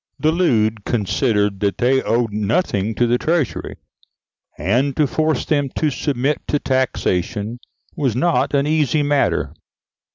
The Leudes considered that they owed nothing to the treasury, and to force them to submit to taxation was not an easy matter.